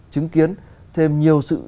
chứng kiến thêm nhiều sự